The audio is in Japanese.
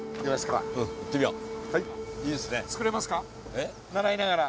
えっ？習いながら。